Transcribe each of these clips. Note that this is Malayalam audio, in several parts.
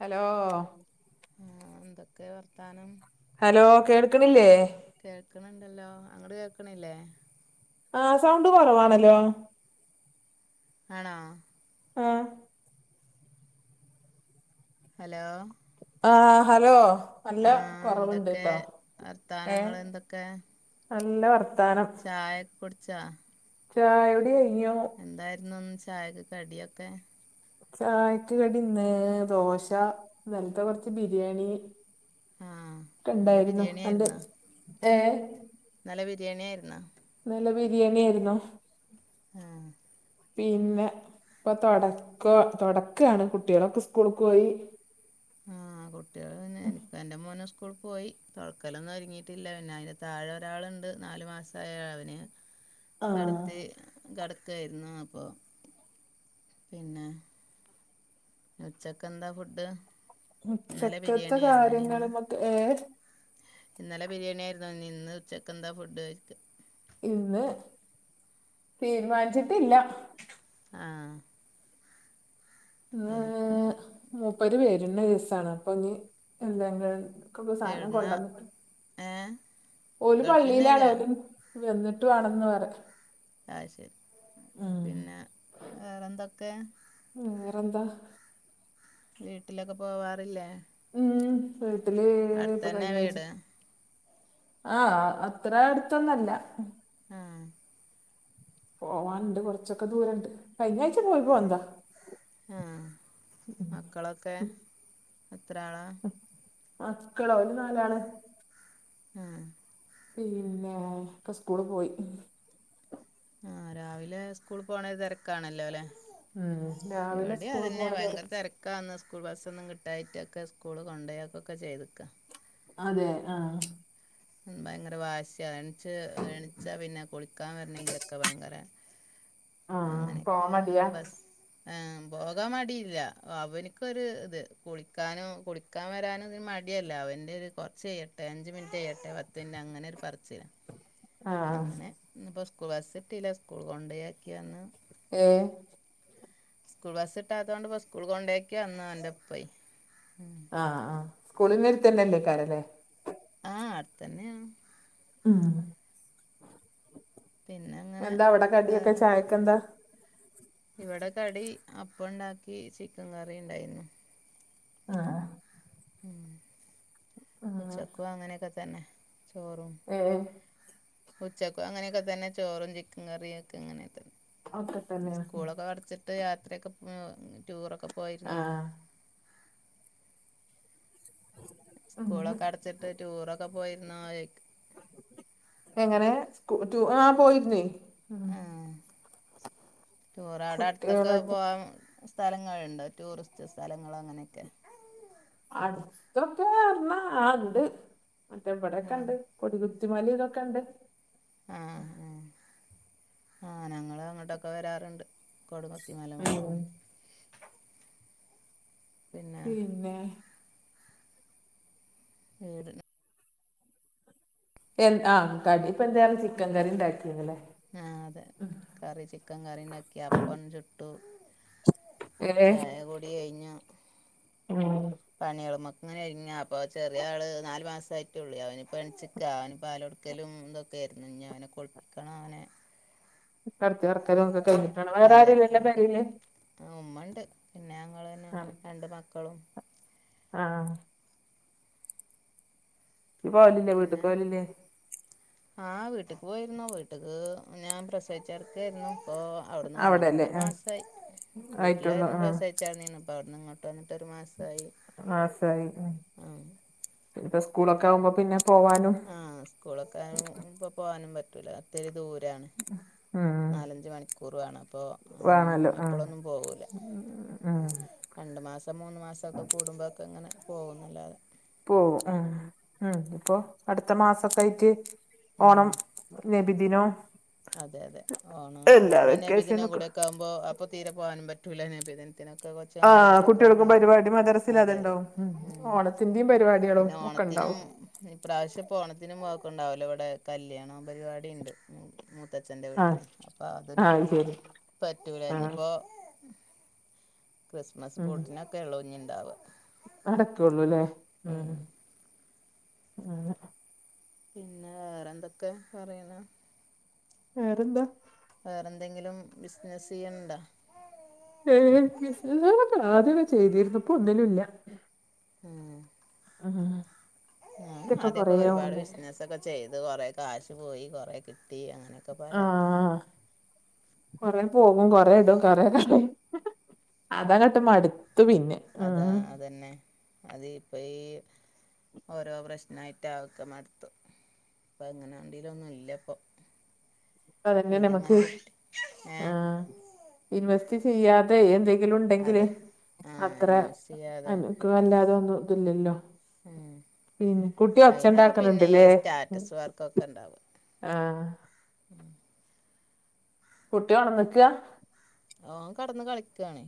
ഹലോ ആഹ് എന്തൊക്കേ വർത്താനം ഹലോ കേൾക്കിണില്ലേ കേൾക്ക്ണ്‌ണ്ടല്ലോ അങ്ങട് കേക്കണി ല്ലേ ആഹ് സൗണ്ട് കൊറവാണലോ ആണോ ആഹ് ഹലോ ആഹ് ഹലോ നല്ല ആഹ് എന്തൊക്കെ കൊറവുണ്ട്ട്ടാ ഏഹ് വർത്താനങ്ങൾ എന്തൊക്കെ നല്ല വർത്താനം ചായാ ക്കുടിച്ചാ ചായുടി കയിഞ്ഞു എന്തായിരുന്നു ന്ന് ചായക് കടിയൊക്കെ ചായക്ക് കടി ഇന്ന് ദോശ ഇന്നൽത്തെ കൊറച്ച് ബിരിയാണീ ആഹ് ഇന്നലെ കണ്ടായിരുന്നു ബിരിയാണി അന്റെ ആയിരുന്നോ ഏഹ് ഇന്നലെ വിരിയാണിയായിരുന്നാ? ഇന്നലെ ബിരിയാണിയായിരുന്നോ? ആഹ് പിന്നെ ഇപ്പ തൊടക്കോ തൊടക്കാണ് കുട്ടികളൊക്കെ സ്കൂളിക്കോയി. ആഹ് കുട്ടികള് പിന്നെ എണിക്കും മോനെ സ്കൂള് പോയി തൊടക്കലൊന്നും ഒരുങ്ങിയിട്ടില്ല, പിന്നെ അതിന്റെ താഴെ ഒരാളിണ്ട്, നാലു മാസായവന്. ആഹ് കെടത്തി കെടക്കായിരുന്നു അപ്പോ പിന്നെ ഉച്ചക്കെന്താ ഫുഡ്? ഇന്നലെ ഉച്ചക്കത്തെ ബിരിയാണി ആയിരുന്നു ഇനി ഇന്ന് കാര്യങ്ങളും ഒക്കെ ഏഹ് ഇന്നലെ ബിരിയാണിയായിരുന്നു ഇനി ഇന്ന് ഉച്ചക്ക് എന്താ ഫുഡ് [unintelligible] ഇന്ന് തീരുമാനിച്ചിട്ടില്ല. ആഹ് എനിക്ക് ആഹ് മുപ്പര് വെരുന്ന ദിവസാണ് അപ്പോ ഇനി [unintelligible] എവിടുന്ന കൊണ്ടുവന്നിട്ട് ഏഹ് ഓല് പള്ളിയിലാണ്, ഓല് വന്നിട്ടു വണെന്ന് പറ അയ്ശരി, പിന്നെ വേറെന്തൊക്കെ? വേറെന്താ? വീട്ടിലൊക്കെ പോവാറില്ലേ? മ് വീട്ടില് അടുത്ത് ഇപ്പ തന്നെ കഴിഞ്ഞ ആഴ്ച വീട് ആഹ് അത്ര അടുത്തൊന്നല്ല. ആഹ് പോവാനുണ്ട്, കൊറച്ചൊക്കെ ദൂരണ്ട്. കഴിഞ്ഞാഴ്ച പോയിപ്പോ വന്നതാ. ആ എത്രളാ? മക്കളോ [unintelligible] നാലാണ്. ആഹ് പിന്നെ [unintelligible] സ്കൂള് പോയി. ആഹ് രാവിലെ സ്കൂൾ പോണ തിരക്കാണല്ലോല്ലേ അല്ലെ? ഉം രാവിലെ ഇവിടെ സ്കൂള് അതന്നെ പോണ ഭയങ്കര തിരക്ക് തെരക് ഇക്ക അന്ന് സ്കൂൾ ബസ്സൊന്നും കിട്ടായിട്ടൊക്കെ സ്കൂൾ കൊണ്ടോയി ആക്കൊക്കെ ചെയ്ത്ക്ക. അതെ ആഹ് ഉം ഭയങ്കര വാശിയാ, എണ്ച്ച് എണീച്ചാ പിന്നെ കുളിക്കാൻ വരണങ്കിലൊക്കെ ഭയങ്കര ആഹ് പോവാൻ അങ്ങനെയൊക്കെ മടിയാ ഇന്ന് ബസ് ആഹ് പോകാ മടിയില്ല അവനിക്കൊരു ഇത് കുളിക്കാനും കുള് പോകന് വരാൻ മടിയല്ല അവൻ്റെ ഒരു കുറച്ച് കയ്യട്ടെ അഞ്ച് മിനിറ്റ് കയ്യട്ടെ പത്ത് മിനിറ്റ് അങ്ങനെ ഒരു പറച്ചിലാ ആഹ് അങ്ങനെ ഇന്ന് ഇപ്പോ സ്കൂൾ ബസ് എത്തില്ല, സ്കൂൾ കൊണ്ടോയാക്കി വന്ന് ഏഹ് സ്കൂൾ ബസ് കിട്ടാത്തോണ്ട് ഇപ്പ സ്കൂൾ കൊണ്ടേക്കി വന്നു ഓന്റെപ്പയി, മ് ആഹ് ആഹ് സ്കൂളിന്റെ അടുത്തന്നല്ലേ [unintelligible] ആഹ് അടുത്തന്നെയ ആഹ് പിന്നെ അങ്ങനെ എന്താ അവിടെ കടിയൊക്കെ വേറെ ചായക്കെന്താ? ഇവിടെ കടി അപ്പ ഇണ്ടാക്കി ചിക്കൻ കറി ഇണ്ടായിരുന്നു. ആഹ് ആഹ് ആഹ് ഉച്ചക്കും അങ്ങനെയൊക്കെ തന്നെ ചോറും ഏഹ് ഉച്ചക്കും അങ്ങനെയൊക്കെ തന്നെ ചോറും ചിക്കൻ കറിയും ഒക്കെ ഇങ്ങനെണ്ട് ഒക്കെ തന്നെയാണ് സ്കൂളൊക്കെ അടച്ചിട്ട് യാത്രയൊക്കെ ടൂറൊക്കെ പോയിരുന്നോ ആഹ് സ്കൂളൊക്കെ അടച്ചിട്ട് ടൂറൊക്കെ പോയിരുന്ന ചോദിക്ക എങ്ങനെ സ്കൂ ടൂ ആഹ് പോയിരന്ന്‌ ആഹ് ടൂർ അടുത്തൊക്കെ കുട്ടികളായിട്ട് പോവാൻ സ്ഥലങ്ങളുണ്ടോ? ടൂറിസ്റ്റ് സ്ഥലങ്ങള് അങ്ങനെയൊക്കെ. അടുത്തൊക്കെ എർന്ന ആഹ് ഇണ്ട് ആ ഇവിടെക്കെണ്ട് കൊടികുത്തിമല ഒക്കെകണ്ട് ആഹ് ആഹ് ആഹ് ഞങ്ങളു അങ്ങോട്ടൊക്കെ വരാറുണ്ട്. കൊടുമുത്തി മല ഉം മക്കളും പിന്നെ പേരിന് എൻ ആഹ് കടി ഇപ്പൊ എന്തായാലും ചിക്കൻ കറി ഉണ്ടാക്കിന്നല്ലേ ആഹ് അതെ കറി ചിക്കൻ കറിണ്ടാക്കി അപ്പം ചുട്ടു ഏഹ് ചായ കുടി കഴിഞ്ഞോ ഉം പണികളുമൊക്കെ ഇങ്ങനെ ഇരിങ്ങ അപ്പൊ ചെറിയ ആള് നാല് മാസ ആയിട്ടുള്ളി അവനിപ്പ എനിച്ച് ക്കാ അവന് പാല് കൊടുക്കലും ഇതൊക്കെയായിയിരുന്നു ഇഞ് അവനെ കുളിപ്പിക്കണം അവനെ കടത്തി കറക്കതൊക്കെ കഴിഞ്ഞിട്ടാണ് വേറെ ആരുല്ല പേരില് ആഹ് ഉമ്മണ്ട് പിന്നെ ഞങ്ങൾ തന്നെ ആഹ് രണ്ട് മക്കളും ആഹ് ഇ പോവലില്ലേ വീട്ടക്ക് പോലില്ലേ ആഹ് വീട്ടക്ക് പോയിരുന്നു വീട്ടക്ക് ഞാൻ പ്രസവിച്ചിറക്കായിരുന്നു ഇപ്പൊ അവിടുന്ന് വന്നിട്ട്പ്പൊ അവിടെല്ലേ ഒരു ആഹ് മാസയി ആയിട്ടുള്ളൂ വീട്ടിലായിരുന്നു ആഹ് പ്രസ [unintelligible] ഇപ്പ അവിടന്ന് ഇങ്ങോട്ട് വന്നിട്ട് ഒരു മാസായി ആഹ് പിന്നപ്പ സ്കൂളൊക്കെ ആകുമ്പോ പിന്നെ പോവാനും ആഹ് സ്കൂളൊക്കെ ഇപ്പോ പോകാനും പറ്റൂല ഒത്തിരി ദൂരാണ് ഉം നാലഞ്ച് മണി ക്കൂർ വേണം അപ്പൊ അങ്ങനൊന്നും വേണല്ലോ ആഹ് എപ്പോളോന്നും പോകൂല ഉം രണ്ട് മാസം മൂന്ന് മാസക്കെ കൂടുമ്പോഴൊക്കെ ഇങ്ങനെ പോകുന്നല്ലാതെ പോം ഉം ഉം ഇപ്പൊ അടുത്ത മാസക്കായിട്ട് ഉം ഓണം നബിദിനോം അതെ അതെ ഓണം എല്ലാ ഓണം നബിദിന വെക്കേഷനൊക്കെ കൂടെ ഒക്കെ ആകുമ്പോ അപ്പൊ തീരെ പോകാനും പറ്റൂല്ല നബിദി ത്തിനൊക്കെ കൊച്ച് ആഹ് മദ്രാസൊക്കെ കുട്ടികൾക്കും വല്ലപ്പോൾ പരിപാടി മദ്രസിൽ അതെ അതെ അതുണ്ടാവും ഉം ഓണത്തിന്റെയും പരിപാടികളും പിന്നെ ഓണ ഒക്കെ ത്തിനും ഉണ്ടാവും ഈ പ്രാവശ്യം പോണത്തിനും പോക്കെ ഉണ്ടാവല്ലോ ഇവിടെ കല്ല്യാണം പരിപാടി ഉണ്ട് മൂത്തച്ഛൻ്റെ ആഹ് വീട്ടില് അപ്പം അതിനും ആഹ് ശരി ആഹ് പറ്റൂലഞ്പ്പോ ക്രിസ്മസ് പൂട്ടിനൊക്കെ ഒള്ളൂ ഇഞ്ണ്ടാവ അടക്കുള്ളൂ അല്ലേ ഉം ഉം പിന്നെ വേറെ എന്തൊക്കെ പറയണ വേറെന്താ വേറെന്തെങ്കിലും ബിസിനസ്സ് ചെയ്യണണ്ടോ ഏ ബിസ്നസെള് ഒക്കെ ആദ്യഒക്കെ ചെയ്തിരുന്നു ഇപ്പൊ ഒന്നിനുംല്ല ഉം ഞാനും ഇതൊക്കെ ആദ്യൊക്കെ കൊറേ ഒരുപാട് ഓൺലൈൻ ബിസ്സിനസൊക്ക ചെയ്ത് കൊറേ കാശ് പോയി കൊറേ കിട്ടി അങ്ങനെയൊക്കെപാടെ ആഹ് കൊറേ പോകും കൊറ ഇടും കൊറേ കളി അതാങട്ട് മടു അതാ അതന്നെ അതിപ്പ ഈ ഓരോ പ്രശ്നമായിട്ട ആഹ് തൊക്കെ മടുത്തു അപ്പൊ എങ്ങനൊണ്ടങ്കിലൊന്നും ഇല്ല ഇപ്പൊ അതന്നെ നമുക്ക് കിട്ടി ഏ ആഹ് ഇൻവെ വെസ്റ്റ് ചെയ്യാതെ എന്തെങ്കിലും ഉണ്ടെങ്കില് അതെ ആ അത്ര ഇൻവെസ്റ്റ് അ ചെയ്യാതെ നക്ക അല്ലാതൊന്നും ഇത് ല്ലല്ലോ ഉം ഉം കുട്ടി അയിനൊക്കെ പിന്നെ ഈ ഒച്ചണ്ടാക്കണുണ്ട്ല്ലേ സ്റ്റാറ്റസ് വർക്കൊക്കെ ഉണ്ടാവും ആഹ് കുട്ടിയൊണന്നിക്ക്വ ഓൻ കെടന്നു കളിക്കാണേ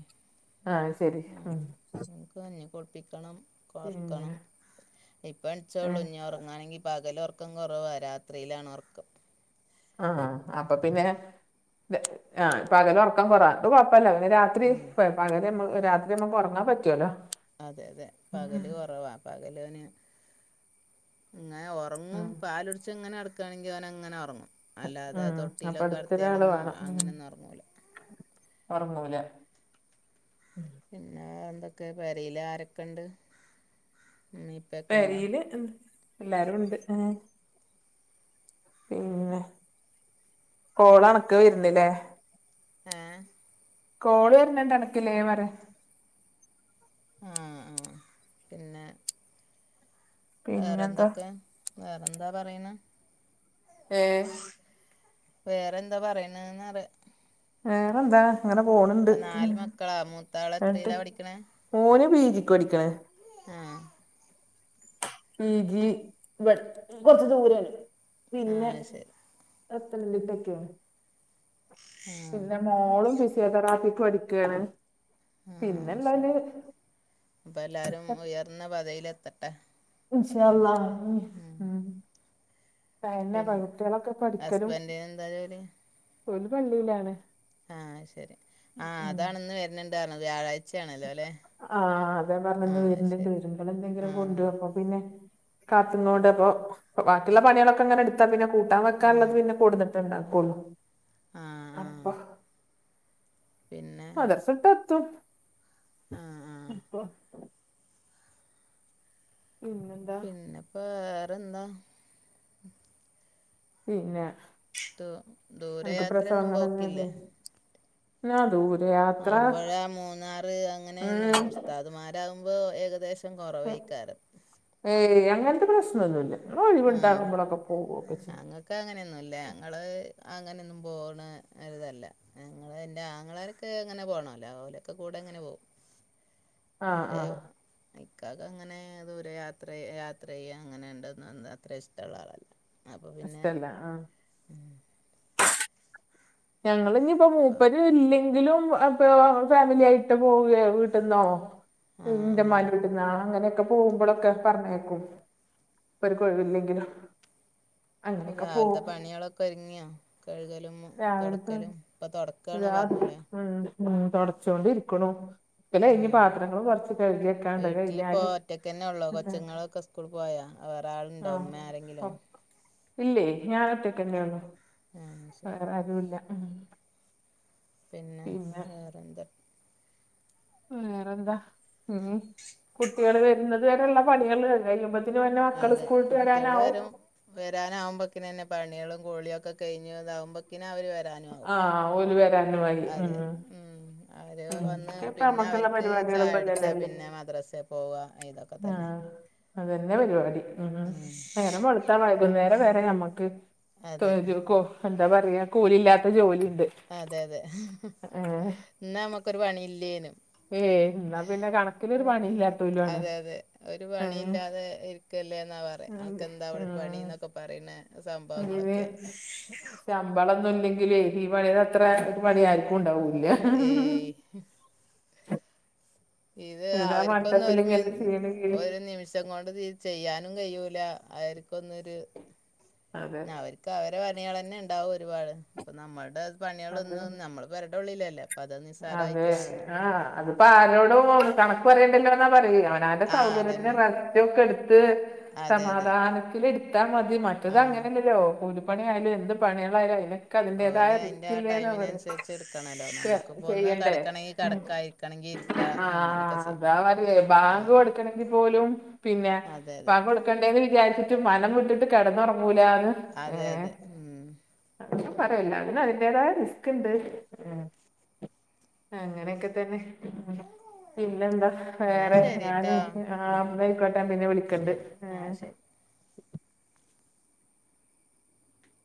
ആഹ് ശരി ഉം ഓൻക്ക് കഞ്ഞി കുടിപ്പിക്കണം പിന്നെ ഒർക്കണം ഇപ്പോ എണീച്ചോള്ളൂ ഏഹ് ഇഞ്ഞി ഉറങ്ങാണെങ്കി പകല് ഒറക്കം കൊറവാ രാത്രിയിലാണ് ഒറക്കം ആഹ് അപ്പൊ പിന്നെ പകല് ഒറക്കം കൊറവ അത് കൊഴപ്പില്ല പിന്നെ രാത്രി ഉം പകല് രാത്രി നമ്മക്ക് ഒറങ്ങാൻ പറ്റുവല്ലോ അതെ അതെ ഉം പകല് കുറവാ പകലോന് ഇങ്ങനെ ഒ റങ്ങും ഉം പാലൊടിച്ചിങ്ങനെ കെടക്കാണെങ്കി അവനങ്ങനെ ഒറങ്ങും അല്ലാതെ ഉം അപ്പൊ തൊട്ടീലൊക്കെ കെടത്തിയാലൊന്നും അങ്ങനൊന്നും ഉറങ്ങൂല ഒറങ്ങൂല പിന്നെ എന്തൊക്കെ പെരയില് ആരൊക്കെണ്ട് നീ പെരയില് എല്ലാരും ഉണ്ട് ആഹ് പിന്നെ കോളണക്ക് വരുന്നില്ലേ ഏഹ് കോള് വരുന്നുണ്ട് അനക്കില്ലേ വേറെ ആഹ് ആഹ് പിന്നെ പിന്നെന്താ വേറെന്തൊക്കെ വേറെന്താ പറയണ് ഏഹ് വേറെന്താ പറയണ്ന്ന് അറിയ വേറെന്താ അങ്ങനെ പോണുണ്ട് ഇപ്പം നാല് മക്കളാ മൂത്താൾ എന്ന്ട്ട് എത്രയിലാണ് ഓന് പി ജിക്ക് പഠിക്കണ് ആഹ് പി ജി ഇവ്ട് കൊറച്ച്ദൂരേണ് ആ പിന്നെ ശരി [unintelligible] ആ പിന്നെ മോളും ഫിസിയോതെറാപ്പിക്ക് പഠിക്ക്വാണ് ഉം [unintelligible] അപ്പ എല്ലാരും ഉയർന്ന പദവിയിലെത്തട്ടെ ഇൻഷാ അളളാ ഉം ഉം പിന്നെ കുട്ടികളൊക്കെ പഠിക്കലും ഹസ്ബൻഡിന് എന്താ ജോലി ഒരു പള്ളിയിലാണ് ആഹ് ശരി ആഹ് ഉം അതാണ് ഇന്ന് വരുന്നുണ്ട് പറഞ്ഞത് വ്യാഴാഴ് ആഹ് അതാ ആ പറഞ്ഞേന്ന് വര്ന്ന്ണ്ട് ശരി ആ വരുമ്പോളെന്തെങ്കിലും കൊണ്ട്വരുംപ്പോ പിന്നെ കാത്തുന്നോണ്ട് പ്പൊ ബാക്കിയുള്ള പണികളൊക്കെ ഇങ്ങനെ എടുത്താ പിന്നെ കൂട്ടാൻ ആ വെക്കാനുള്ളത് പിന്നെ കൊടുന്നിട്ടുണ്ടാക്കുള്ളൂ ആ ആ അപ്പൊ പിന്നെ അതർ സുട്ടത്തും ആ ആ ഇപ്പോ ഇങ്ങ പിന്നെപ്പ വേറെന്താ പിന്നെ ദൂ നിനക്ക് ദൂരയാത്രയൊന്നും പ്രസവം പോക്കില്ലേ [unintelligible] ങാ ദൂരെയാ മലമ്പുഴ മൂന്നാറ് അങ്ങനെയന്നും ഉം ഉസ്താദ്മാര് ടാവുമ്പോ ഏകദേശം കുറവായിക്കാരം ഏയ് അങ്ങനത്തെ പ്രശ്നംന്നുമില്ല ങ്ങള് ഒഴിവുണ്ടാകുമ്പളൊക്കെ പോകൊക്കെ ചെയ്യും ക്ക് അങ്ങനെയൊന്നൂല്ല ഞങ്ങള് അങ്ങനൊന്നും പോണ ഒരുഇതല്ല ഞങ്ങള് എന്റെ ആങ്ങളാരൊക്കെ എങ്ങനെ പോണല്ലോ ഓലൊക്കെ കൂടെ അങ്ങനെ പോകും ആ മറ്റേ ആ ഇക്കാക്ക് അങ്ങനെ ദൂരെ യാത്ര യാത്ര ചെയ്യുക അങ്ങനെയുണ്ട് നന്ന അത്ര ഇഷ്ടൊള്ളാളല്ല ഇഷ്ടല്ല ആഹ് ഞങ്ങള് ഇനീപ്പോ ഇപ്പോൾ മൂപ്പര് ഇല്ലെങ്കിലും അപ്പ ഫാമിലി ആയിട്ട് പോവുകയോ വീട്ടിന്നാവോ ആ ആ [unintelligible] ഞാൻ അങ്ങനെക്കെ പോകുമ്പളക്കെ പറഞ്ഞയ്ക്കും ഇവർക്ക് ഒഴുവില്ലെങ്കില് രാവിലത്തെ പണികളൊക്കെ ഒതുങ്ങിയോ കഴുകലും രാവിലത്തെ തൊടക്കലും ഇപ്പൊ തൊടക്കാണ് ഇതാ പറഞ്ഞൂലേ ഉം ഉം തൊടച്ചോണ്ടിരിക്കണു ഇല്ല ആ ഇനി പാത്രങ്ങളും കൊറച്ച് കഴുകി വെക്കാനുണ്ട് അത് വീട്ടിലിപ്പോൾ കഴിഞ്ഞാല് [inaudible] സ്കൂൾ പോയാ വെറെ ആളുണ്ടോ ആ ഉമ്മ ഒ ആരെങ്കിലും ഇല്ലേ ഞാൻ ഒറ്റക്കന്നെ ഉള്ളു [unintelligible] ആരൂല്ല ഇം പിന്നെ വേറെന്താ വേറെന്താ ഉം കുട്ടികള് വരുന്നത് വരെയുള്ള പണികളെ അത് കഴിയുമ്പ ത്തിന് മക്കള് സ്കൂള്ട്ട് വരാനാവും വരാനാവമ്പുക്കിനന്നെ പണികളും കുളി ഒക്കെ കഴിഞ്ഞു ഇതാവുമ്പൊ‌ക്കിന് അവര് വ രാനാവും ആ ഓല് വരാനും ആയി ഉം അതെ അവർ ഉം വന്ന് ഇപ്പ പിന്നെ നമ്മുക്കുള്ള അവർക്ക് ചായ കുടിച്ചാൽ പരിപാടികൾപ്പന്നല്ലല്ലേ പിന്നെ മദ്രസയിൽ പോവുക ഇതൊക്കെ തന്നെ ആഹ് അതന്നെ പരിപാടി ഉം നേരം വെളുത്താ വൈകുന്നേരം വരെ ഞമ്മക്ക് അതെ തോര് കൊ എന്താ പറയാ കൂലില്ലാത്ത ജോലിണ്ട് അതെ അതെ ഉം എന്ന നമുക്കൊരു പണിയില്ലേനും എന്നാ പിന്നെ കണക്കിനൊരു പണിയില്ലാത്തോലും ആണ് അതെ അതെ ഒരു പണി ഏഹ് ഇല്ലാതെ ഇരി ‌ക്കില്ലേന്നാ പറയാ ഉം അവക്കെന്താ അവിടെ ഉം പണീന്നൊക്കെ പറയണ സംഭവങ്ങളൊക്കല്ലെ നമ്മളൊന്നും ഇല്ലെങ്കിലെ ഈ പണീടെ അത്ര പണി ആർക്കും ഉണ്ടാവൂല്ല ഏയ് ഇത് ഇതാ അവർക്ക് ഒന്ന് മട്ടത്തിൽ ഒര് മിൻ ഇങ്ങനെ ചെയ്യണെങ്കില് ഒരു നിമി ഷം കൊണ്ട് ഇത്‌ ചെയ്യാനും കഴിയൂല്ല അവർക്കൊന്നൊരു അതെ പിന്നവരി ക്കവരെ പണികളന്നെ ഇണ്ടാവും ഒരുപാട് ഇപ്പം നമ്മടെ അത് പണികളൊന്നും നമ്മള് പെരെടെ ഉള്ളിലല്ലെ അപ്പതാ നിസ്സാരായിട്ട് കാൺണെ ആഹ് അത് അപ്പാരോടും കണക്ക് പറയേണ്ടല്ലോ എന്നാ പറയും അവനവന്റെ ആ സൗകര്യത്തിന് അതന്നെ റെസ്റ്റ് ഒക്കെ എടുത്ത് അതെ അതെ സമാധാനത്തില് എടുത്താ മതി മറ്റത് ആ അങ്ങനെ അല്ലല്ലോ കൂലി പ്പണി ആയാലും എന്ത് പണികളായാലും അതിനൊക്കെ അതിന്റെതായ ഓലെ അതിന്റെ ആ റിസ്‌ക്കില്ലേന്നാ പറയാ ടൈമിനനുസരിച്ച് എടുക്കണല്ലോ [unintelligible] നമുക്കിപ്പോ ഒന്ന് ചെയ്യണ്ടേ കിടക്കണമെങ്കിൽ ഇം കിടക്ക ഇരിക്കണമെങ്കിൽ ഇരിക്ക അങ്ങനൊക്കെ ആഹ് ചെയ്യും അതാ പറയേ ആ ബാങ്ക് കൊടു ക്കണെങ്കി പോലും പിന്നെ അതെ അതെ ബാങ്ക് കൊടുക്കണ്ടേന്ന് വിചാരിച്ചിട്ട് മനം വിട്ടിട്ട് കിടന്നൊറ ങ്ങൂലാന്ന് അതെ അതെ ഉം അതക്കെ പറയും എല്ലാത്തിനും അതിന്റേതായെ റിസ്‌ക്കിണ്ട് ഉം അങ്ങനേക്കെ തന്നെ പിന്നെന്താ എന്നാ വേറെ ശരി ഞാന് [unintelligible] ആഹ് അന്നായിക്കോട്ടെ പിന്നെ വിളി ശെരി ആഹ് ശെരി